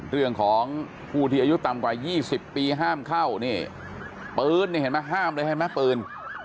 เรื่องของผู้ที่อายุต่ำกว่า๒๐ปีห้ามเข้านี่ปืนนี่เห็นไหมห้ามเลยเห็นไหมปืน